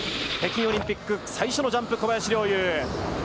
北京オリンピック最初のジャンプ、小林陵侑。